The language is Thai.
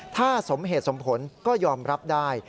ถ้าสมเหตุสมผลก็ยอมรับได้